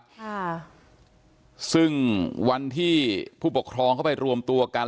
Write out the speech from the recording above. ค่ะซึ่งวันที่ผู้ปกครองเข้าไปรวมตัวกัน